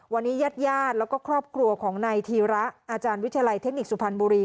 วันนี้ญาติญาติแล้วก็ครอบครัวของนายธีระอาจารย์วิทยาลัยเทคนิคสุพรรณบุรี